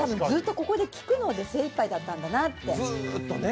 ずっとここで聞くので精いっぱいだったんだなって今思うと。